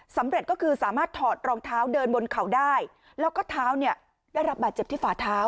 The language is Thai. สำเร็จก็คือสามารถถอดรองเท้าเดินบนเขาได้แล้วก็เท้าเนี่ยได้รับบาดเจ็บที่ฝาเท้า